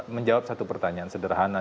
menjawab satu pertanyaan sederhana